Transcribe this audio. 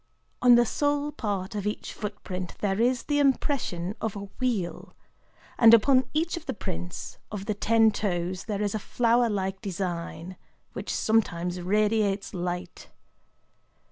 On the sole part of each footprint there is the impression of a wheel; and upon each of the prints of the ten toes there is a flower like design, which sometimes radiates light.